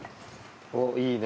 おっいいね。